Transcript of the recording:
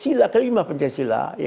sila kelima pencah sila